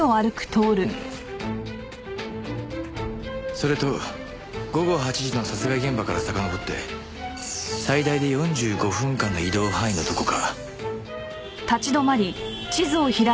それと午後８時の殺害現場からさかのぼって最大で４５分間の移動範囲のどこか。